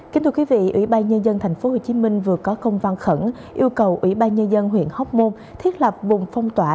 kính thưa quý vị ủy ban nhân dân tp hcm vừa có công văn khẩn yêu cầu ủy ban nhân dân huyện hóc môn thiết lập vùng phong tỏa